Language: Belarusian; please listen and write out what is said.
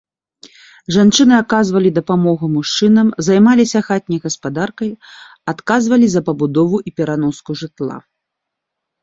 Жанчыны аказвалі дапамогу мужчынам, займаліся хатняй гаспадаркай, адказвалі за пабудову і пераноску жытла.